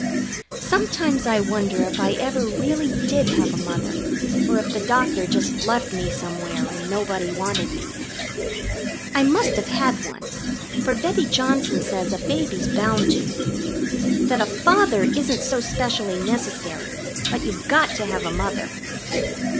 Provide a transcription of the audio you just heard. Sometimes I wonder if I ever really did have a Mother, or if the doctor just left me somewhere and nobody wanted me. I must have had one, for Betty Johnson says a baby's bound to. That a father isn't so specially necessary, but you've got to have a Mother.